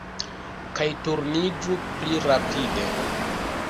Kaj turniĝu pli rapide!